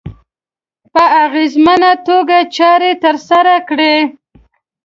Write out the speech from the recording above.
په اغېزمنه توګه چارې ترسره کړي.